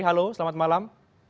halo selamat malam